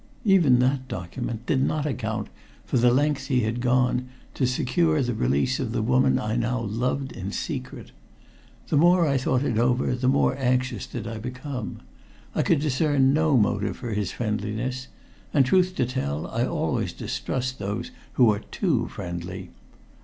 Even that document did not account for the length he had gone to secure the release of the woman I now loved in secret. The more I thought it over, the more anxious did I become. I could discern no motive for his friendliness, and, truth to tell, I always distrust those who are too friendly.